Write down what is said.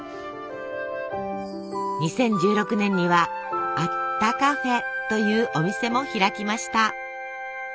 ２０１６年には「あったかふぇ」というお店も開きました。